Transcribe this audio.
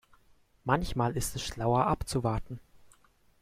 Manchmal ist es schlauer abzuwarten.